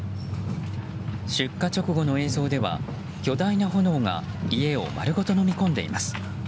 出火直後の映像では巨大な炎が家を丸ごとのみ込んでいます。